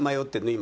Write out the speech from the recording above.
今。